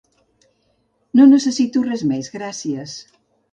No necessito res més, gràcies.